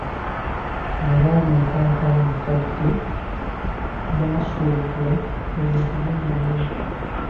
Nga bali e Kampala-Mukadde, baasuubula ebintu bingi nnyo.